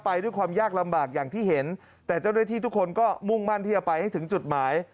ไปด้วยความยากลำบากอย่างที่เห็นแต่เจ้าหน้าที่ทุกคนก็มุ่งมั่นที่จะไปให้ถึงจุดหมาย